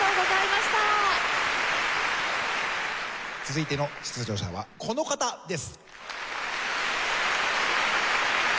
続いての出場者はこの方です。